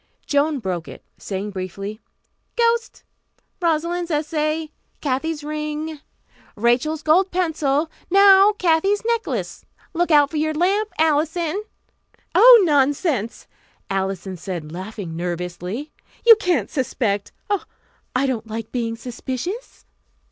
Joan broke it, saying briefly, "Ghost. Rosalind's essay. Kathy's ring. Rachel's gold pencil. Now, Kathy's necklace. Look out for your lamp, Alison!" "Oh, nonsense," Alison said laughing nervously. "You can't suspect Oh, I don't like being suspicious."